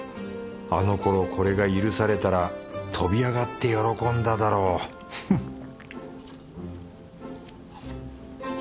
あのころこれが許されたら跳び上がって喜んだだろうフン